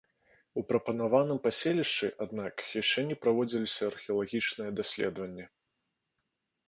У прапанаваным паселішчы, аднак, яшчэ не праводзіліся археалагічныя даследаванні.